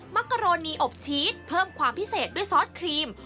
มะกะโรนีอบชีสเพิ่มความพิเศษด้วยซอสครีม